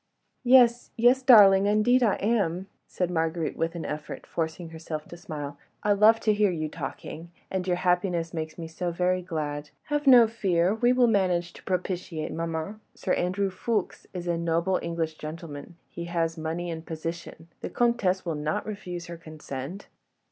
"Yes, yes, darling—indeed I am," said Marguerite with an effort, forcing herself to smile. "I love to hear you talking ... and your happiness makes me so very glad. ... Have no fear, we will manage to propitiate maman. Sir Andrew Ffoulkes is a noble English gentleman; he has money and position, the Comtesse will not refuse her consent.